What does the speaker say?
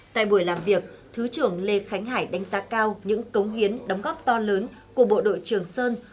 tại buổi làm việc thứ trưởng lê khánh hải đánh giá cao những cống hiến đóng góp to lớn của bộ đội trường sơn